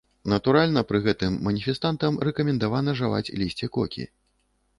Натуральна, пры гэтым маніфестантам рэкамендавана жаваць лісце кокі.